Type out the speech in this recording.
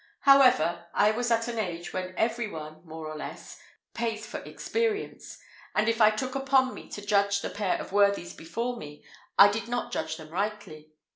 However, I was at an age when every one, more or less, pays for experience; and if I took upon me to judge the pair of worthies before me, I did not judge them rightly.